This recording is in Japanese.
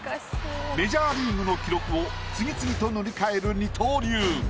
メジャーリーグの記録を次々と塗り替える二刀流。